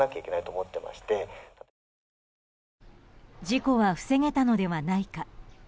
事故は防げたのではないか。